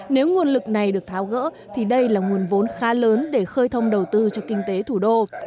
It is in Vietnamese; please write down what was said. nếu nguồn lực này được tháo gỡ thì đây là nguồn vốn khá lớn để khơi thông đầu tư cho kinh tế thủ đô